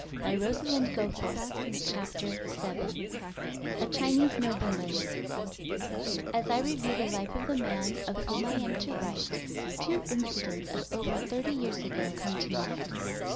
*SKETCH VII* *A Chinese Nobleman* *A Chinese Nobleman* As I review the life of the man of whom I am to write, two incidents of over thirty years ago come to mind.